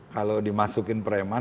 kalau dimasukin preman